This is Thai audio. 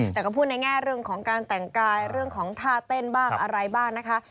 แต่ก็พูดในแง่เรื่องของการแต่งกายเรื่องของท่าเต้นบ้างอะไรบ้างนะคะ